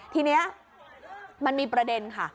ทีนี้มันมีประเด็นค่ะ